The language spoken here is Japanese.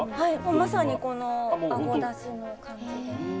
まさにこのあごだしの感じで。